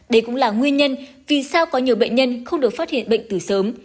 đây cũng là nguyên nhân vì sao có nhiều bệnh nhân không được phát hiện bệnh từ sớm